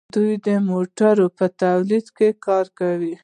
دوی د موټرو په تولید کې کار کوي.